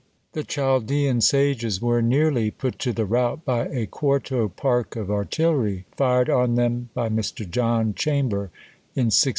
The Chaldean sages were nearly put to the rout by a quarto park of artillery, fired on them by Mr. John Chamber, in 1601.